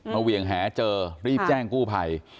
เหวี่ยงแหเจอรีบแจ้งกู้ภัย